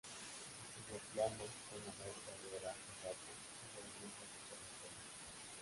Estudió piano con la maestra Aurora Serratos, en el mismo conservatorio.